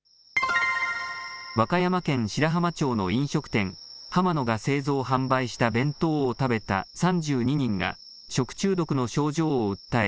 和歌山県白浜町の飲食店はま乃が製造・販売した弁当を食べた３２人が食中毒の症状を訴え